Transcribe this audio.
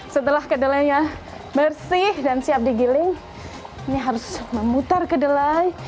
setelah kedelainya bersih dan siap digiling ini harus memutar kedelai